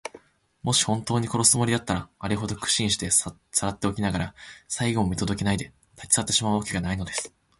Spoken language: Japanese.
もしほんとうに殺すつもりだったら、あれほど苦心してさらっておきながら、最期も見とどけないで、たちさってしまうわけがないのです。